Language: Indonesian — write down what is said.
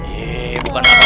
eh bukan apa apa